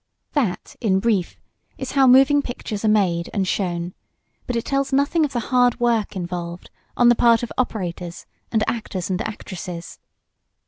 That, in brief, is how moving pictures are made and shown, but it tells nothing of the hard work involved, on the part of operators, and actors and actresses.